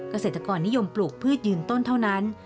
เกษตรกรนิยมปลูกพืชยืนต้นเท่านั้น